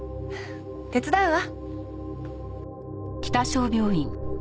手伝うわ。